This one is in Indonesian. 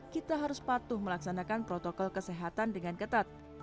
kita harus patuh melaksanakan protokol kesehatan dengan ketat